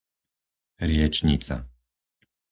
Riečnica